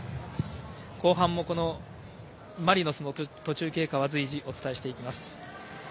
後半もマリノスの途中経過は随時お伝えしていきます。